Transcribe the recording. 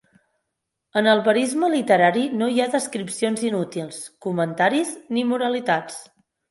En el verisme literari no hi ha descripcions inútils, comentaris, ni moralitats.